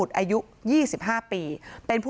สวัสดีครับ